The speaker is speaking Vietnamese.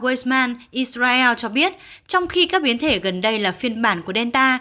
weizmann israel cho biết trong khi các biến thể gần đây là phiên bản của delta